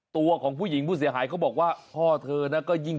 ตัวของผู้หญิงผู้เสียหายเขาบอกว่าพ่อเธอนะก็ยิ่ง